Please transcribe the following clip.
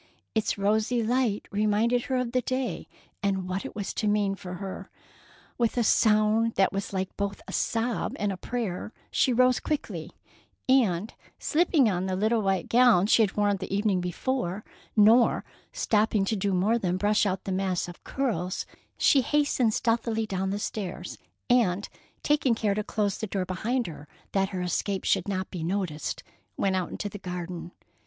Its rosy light reminded her of the day, and what it was to mean for her. With a sound that was like both a sob and a prayer, she rose quickly, and, slipping on the little white gown she had worn the evening before, nor stopping to do more than brush out the mass of curls, she hastened stealthily down the stairs and, taking care to close the door behind her that her escape should not be noticed, went out into the garden.